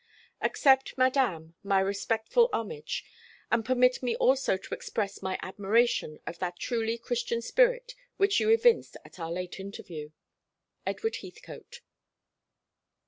"Accept, Madame, my respectful homage, and permit me also to express my admiration of that truly Christian spirit which you evinced at our late interview. EDWARD HEATHCOTE."